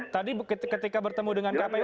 tadi ketika bertemu dengan kpu